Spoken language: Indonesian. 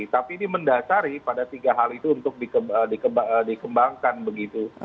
tapi ini mendasari pada tiga hal itu untuk dikembangkan begitu